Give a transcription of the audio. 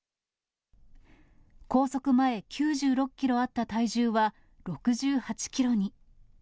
拘束前９６キロあった体重は、６８キロに。